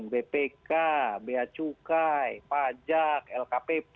bpk bea cukai pajak lkpp